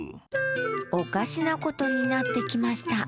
おかしなことになってきました